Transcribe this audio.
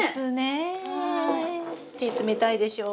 手冷たいでしょう。